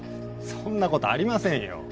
そんな事ありませんよ。